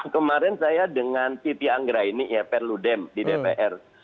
kemarin saya dengan siti anggra ini ya perludem di dpr